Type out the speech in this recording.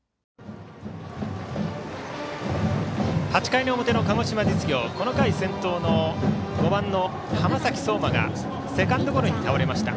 ８回の表の鹿児島実業この回、先頭の５番の浜崎綜馬がセカンドゴロに倒れました。